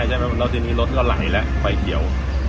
ผมไม่ได้ใช่ไหมแล้วทีนี้รถก็ไหลและไฟเขียว